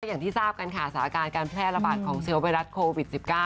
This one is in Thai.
อย่างที่ทราบกันค่ะสถานการณ์การแพร่ระบาดของเชื้อไวรัสโควิด๑๙